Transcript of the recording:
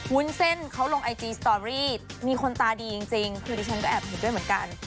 วุ้นเส้นเขาลงไอจีสตอรี่มีคนตาดีจริงคือดิฉันก็แอบเห็นด้วยเหมือนกัน